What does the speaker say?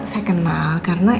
saya kenal karena